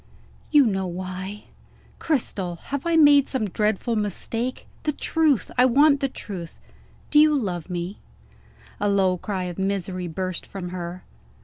"You know why." "Cristel! Have I made some dreadful mistake? The truth! I want the truth! Do you love me?" A low cry of misery burst from her.